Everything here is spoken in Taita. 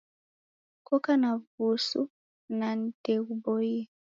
Koka na w'usu na ndeghuboie